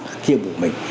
cái nhiệm vụ của mình